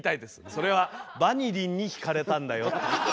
「それはバニリンに引かれたんだよ」。